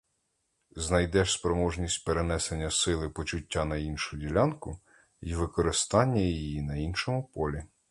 Знайдеш спроможність перенесення сили почуття на іншу ділянку й використання її на іншому полі.